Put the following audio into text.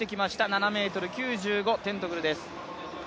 ７ｍ９５、テントグルです。